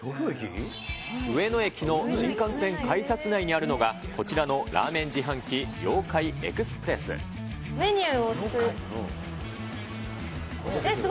上野駅の新幹線改札内にあるのが、こちらのラーメン自販機、メニューを押す。